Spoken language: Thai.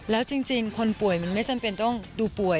แล้วจริงคนป่วยมันไม่จำเป็นต้องดูป่วย